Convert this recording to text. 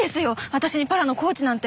私にパラのコーチなんて。